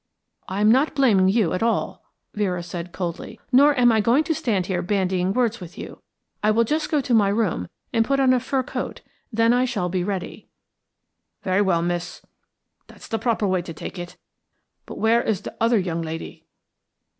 "I'm not blaming you at all," Vera said, coldly. "Nor am I going to stand here bandying words with you. I will just go to my room and put on a fur coat then I shall be ready." "Very well, miss. That's the proper way to take it. But where is the other young lady?"